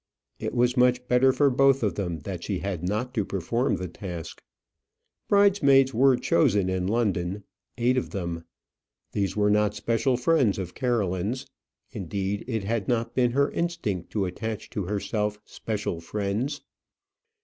It was much better for both of them that she had not to perform the task. Bridesmaids were chosen in London eight of them. These were not special friends of Caroline's; indeed, it had not been her instinct to attach to herself special friends.